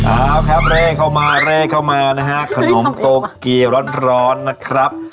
เอาครับร่วงเข้ามาขนมโตเกียวร้อนนะครับ